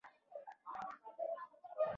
فریدګل اجازه واخیسته او له دفتر څخه ووت